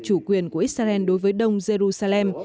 chủ quyền của israel đối với đông jerusalem